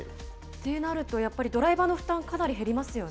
ってなるとやっぱりドライバーの負担、かなり減りますよね。